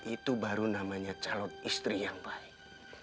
itu baru namanya calon istri yang baik